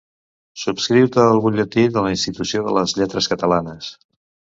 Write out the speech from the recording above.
Subscriu-te al butlletí de la Institució de les Lletres Catalanes.